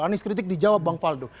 anies kritik dijawab bang faldo